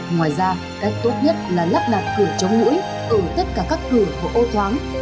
ngoài ra cách tốt nhất là lắp đặt cửa chống mũi ở tất cả các cửa của ô thoáng